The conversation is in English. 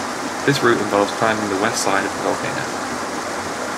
This route involves climbing the west side of the volcano.